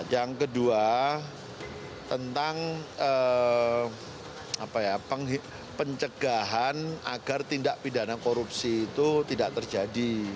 yang kedua tentang pencegahan agar tindak pidana korupsi itu tidak terjadi